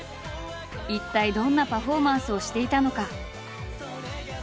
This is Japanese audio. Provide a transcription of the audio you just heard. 一体どんなパフォーマンスをしていたのか？